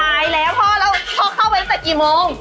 แล้วพ่อแล้วพ่อเข้าไปตั้งแต่กี่โมง